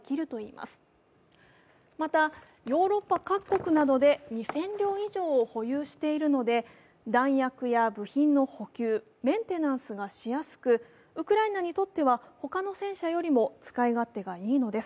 またヨーロッパ各国などで２０００両以上を保有しているので弾薬や部品の補給、メンテナンスがしやすくウクライナにとっては他の戦車よりも使い勝手がいいのです。